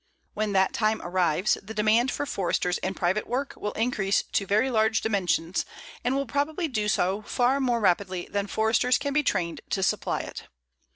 When that time arrives, the demand for Foresters in private work will increase to very large dimensions, and will probably do so far more rapidly than Foresters can be trained to supply it.